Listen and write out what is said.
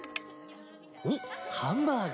おっハンバーグ。